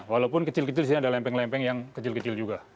walaupun kecil kecil di sini ada lempeng lempeng yang kecil kecil juga